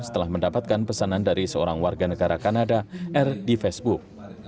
setelah mendapatkan pesanan dari seorang warga negara kanada r di facebook